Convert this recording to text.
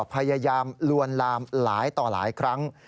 พยายามลวนลามหลายต่อหลายครั้ง